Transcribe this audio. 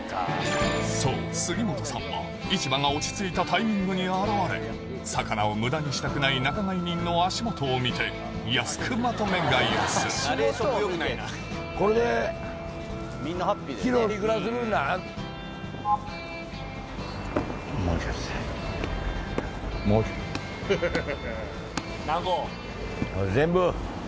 そう杉本さんは市場が落ち着いたタイミングに現れ魚をムダにしたくない仲買人の足元を見て安くまとめ買いするフフフ。